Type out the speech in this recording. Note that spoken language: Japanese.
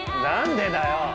何でだよ？